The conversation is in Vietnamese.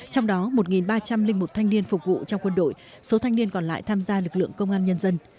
trong đó một ba trăm linh một thanh niên phục vụ trong quân đội số thanh niên còn lại tham gia lực lượng công an nhân dân